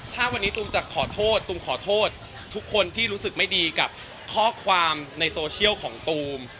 ถ้าวันนี้ตูมจะขอโทษตูมขอโทษทุกคนที่รู้สึกไม่ดีกับข้อความในโซเชียลของตูม